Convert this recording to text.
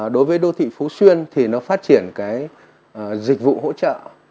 đối với đô thị phú xuyên thì nó phát triển cái dịch vụ hỗ trợ